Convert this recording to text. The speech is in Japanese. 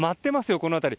この辺り。